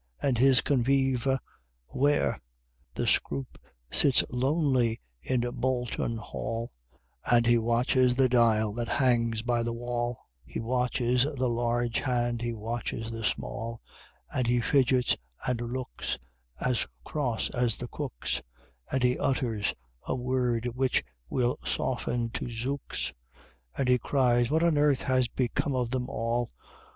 and his convives where? The Scroope sits lonely in Bolton Hall, And he watches the dial that hangs by the wall, He watches the large hand, he watches the small, And he fidgets and looks As cross as the cooks, And he utters a word which we'll soften to "Zooks!" And he cries, "What on earth has become of them all?